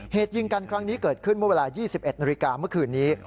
เหตุยิงกันครั้งนี้เกิดขึ้นเมื่อเวลา๒๑นาฬิกาเมื่อคืนนี้